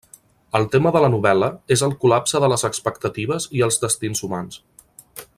El tema de la novel·la és el col·lapse de les expectatives i els destins humans.